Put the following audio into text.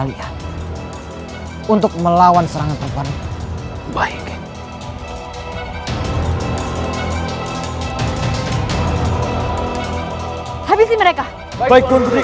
itu kukusnya aku evangel terhadap mereka